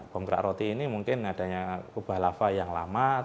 konkrak roti ini mungkin adanya kubah lava yang lama